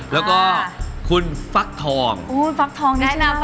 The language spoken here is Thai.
แล้วก็คุณฟักทองแนะนำฟักทอง